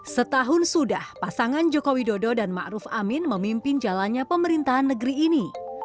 setahun sudah pasangan jokowi dodo dan ma'ruf amin memimpin jalannya pemerintahan negeri ini